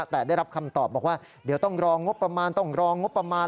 แต่ได้รับคำตอบบอกว่าเดี๋ยวต้องรองบประมาณ